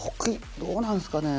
どうなんですかね。